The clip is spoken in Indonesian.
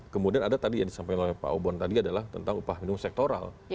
kemudian ada tadi yang disampaikan oleh pak obon tadi adalah tentang upah minimum sektoral